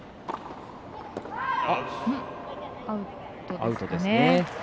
アウトですね。